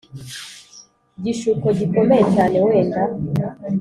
Gishuko gikomeye cyane wenda